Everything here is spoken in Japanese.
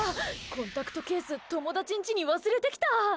コンタクトケース友達んちに忘れてきた！